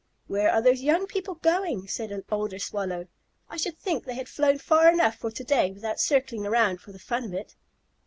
"Where are those young people going?" said an older Swallow. "I should think they had flown far enough for to day without circling around for the fun of it."